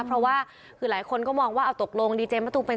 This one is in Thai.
เพราะว่าคือหลายคนก็มองว่าเอาตกลงดีเจมะตูมเป็น